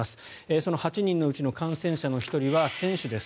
その８人のうちの感染者の１人は選手です。